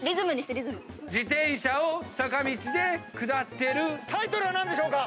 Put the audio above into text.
「自転車を坂道で下ってる」タイトルは何でしょうか？